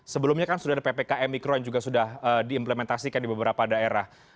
sebelumnya kan sudah ada ppkm mikro yang juga sudah diimplementasikan di beberapa daerah